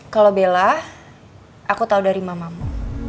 kalau bella aku tahu dari mamamu